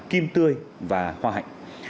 kim tươi và hoa hạnh